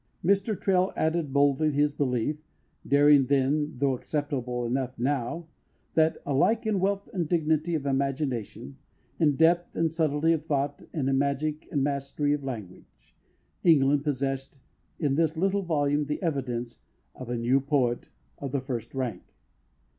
Mr Traill added boldly his belief daring then, though acceptable enough now that "alike in wealth and dignity of imagination, in depth and subtlety of thought and in magic and mastery of language," England possessed in this little volume the evidence of "a new poet of the first rank."